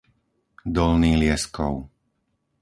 Dolný Lieskov